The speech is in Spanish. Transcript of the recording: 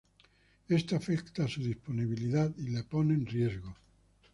Esto afecta su disponibilidad y la pone en riesgo.